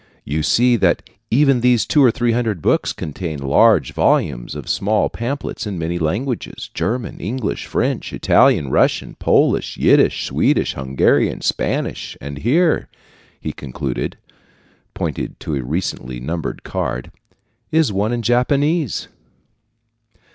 You see that even these two or three hundred books contain large volumes of small pamphlets in many languages German, English, French, Italian, Russian, Polish, Yiddish, Swedish, Hungarian, Spanish; and here," he concluded, pointing to a recently numbered card, "is one in Japanese."